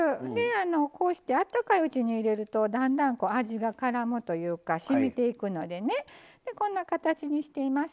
こうしてあったかいうちに入れるとだんだん味がからむというか染みていくのでこんな形にしています。